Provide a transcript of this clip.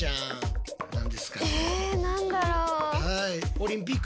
何だろう？